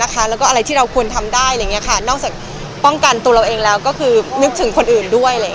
และแบบเวลาที่คุณเคยทำได้นอกจากป้องกันตัวเองละก็คือยึกถึงคนอื่นด้วย